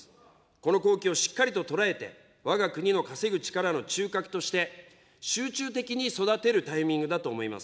この好機をしっかりと捉えて、わが国の稼ぐ力の中核として、集中的に育てるタイミングだと思います。